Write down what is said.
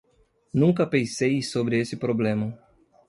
Nunca pensei sobre esse problema